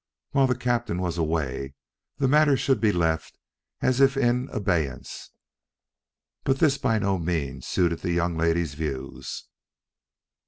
While the captain was away the matter should be left as if in abeyance; but this by no means suited the young lady's views.